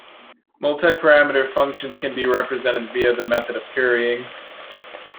Multi-parameter functions can be represented via the method of currying.